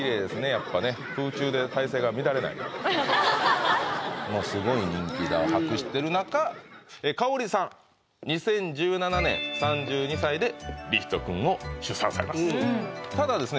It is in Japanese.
やっぱねもうすごい人気を博してる中香里さん「２０１７年３２歳でりひと君を出産」されますただですね